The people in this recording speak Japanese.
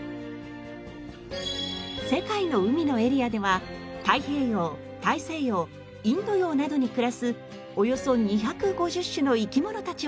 世界の海のエリアでは太平洋大西洋インド洋などに暮らすおよそ２５０種の生き物たちを見る事ができます。